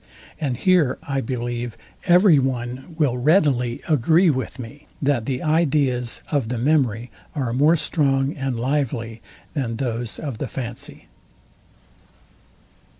And here I believe every one will readily agree with me, that the ideas of the memory are more strong and lively than those of the fancy.